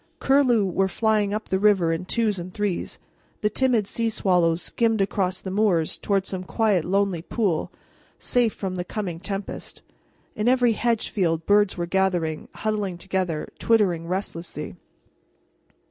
Curlew were flying up the river in twos and threes; the timid sea swallows skimmed across the moors toward some quiet, lonely pool, safe from the coming tempest. In every hedge field birds were gathering, huddling together, twittering restlessly.